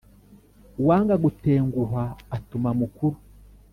Uwanga gutenguhwa atuma mukuru.